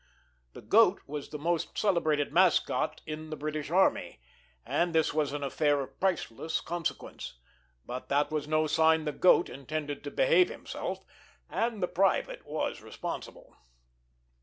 The goat was the most celebrated mascot in the British Army, and this was an affair of priceless consequence, but that was no sign the goat intended to behave himself, and the private was responsible.